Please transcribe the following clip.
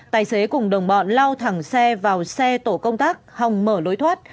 tài xế cùng đồng bọn lao thẳng xe vào xe tổ công tác hòng mở lối thoát